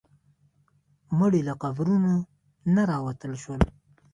مړي له قبرونو نه راوتل شول.